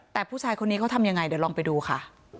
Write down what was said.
แต่ผู้ชายคนนี้เขาทำยังไงเดี๋ยวลองไปดูค่ะ